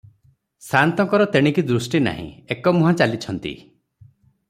ସାଆନ୍ତଙ୍କର ତେଣିକି ଦୃଷ୍ଟି ନାହିଁ, ଏକମୁହାଁ ଚାଲିଛନ୍ତି ।